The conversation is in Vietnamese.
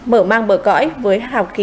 mở mang bờ cõi với hào khí đông a sáng ngời